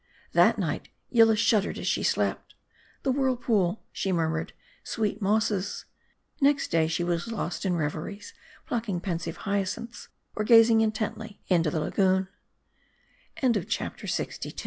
That night, Yillah shuddered as she slept. "The whirl pool," she murmured, " sweet mosses." Next day she was lost in reveries, plucking pensive hyacinths, or gazing in tently into th